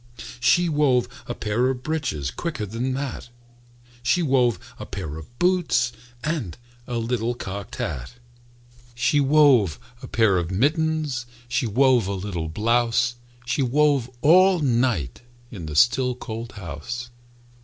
She wove a pair of breeches Quicker than that! She wove a pair of boots And a little cocked hat. She wove a pair of mittens, She wove a little blouse, She wove all night In the still, cold house.